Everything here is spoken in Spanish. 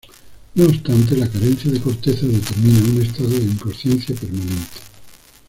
No obstante, la carencia de corteza determina un estado de inconsciencia permanente.